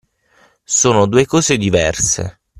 Sono due cose diverse!